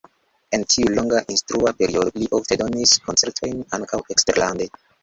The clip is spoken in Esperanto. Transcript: En tiu longa instrua periodo li ofte donis koncertojn ankaŭ eksterlande.